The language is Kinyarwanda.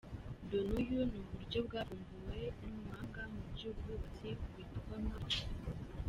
Do-nou ni uburyo bwavumbuwe n’umuhanga mu by’ubwubatsi witwa M.